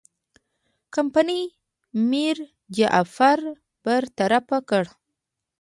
کمپنۍ میرجعفر برطرف کړ.